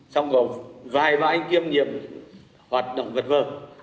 xong rồi vài vài kiêm nghiệm hoạt động vật vờ